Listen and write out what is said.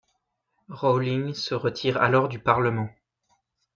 Rowling se retire alors du Parlement.